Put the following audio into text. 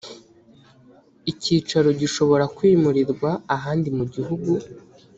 icyicaro gishobora kwimurirwa ahandi mu gihugu